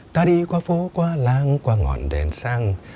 ta đi qua phố qua lang qua ngọn đèn sang